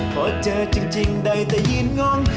พอเจอจริงได้แต่ยืนงง